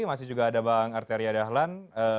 masih juga ada bang arteria dahlan